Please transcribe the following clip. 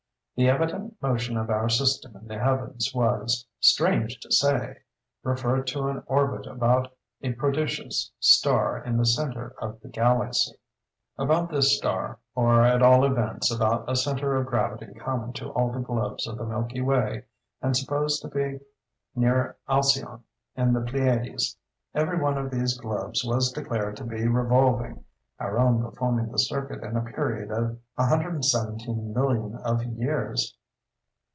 The evident motion of our system in the heavens was (strange to say!) referred to an orbit about a prodigious star in the centre of the galaxy. About this star, or at all events about a centre of gravity common to all the globes of the Milky Way and supposed to be near Alcyone in the Pleiades, every one of these globes was declared to be revolving, our own performing the circuit in a period of 117,000,000 of years!